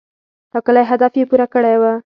ټاکلی هدف یې پوره کړی و.